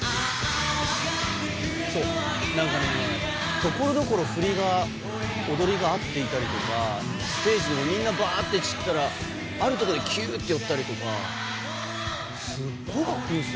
ところどころ踊りが合っていたりとかステージでもみんな散ったらあるところでキュッと寄ったりとかすっごい格好いいんですよ。